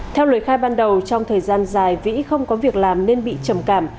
theo lời khai ban đầu trong thời gian dài vĩ không có việc làm nên bị trầm cảm